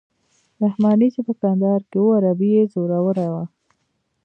رحماني چې په کندهار کې وو عربي یې زوروره وه.